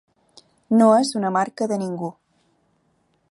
No és una marca de ningú.